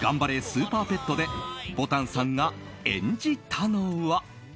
スーパーペット」でぼたんさんが演じたのは。